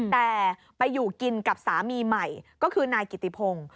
แต่ไปอยู่กินกับสามีใหม่ก็คือนายกิติพงศ์